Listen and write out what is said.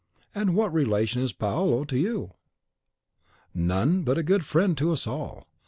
"And what relation is Paolo to you?" "None; but a good friend to us all.